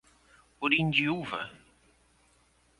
Orindiúva